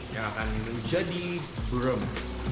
yang akan menjadi burung